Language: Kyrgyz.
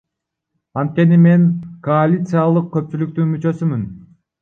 Анткени мен коалициялык көпчүлүктүн мүчөсүмүн.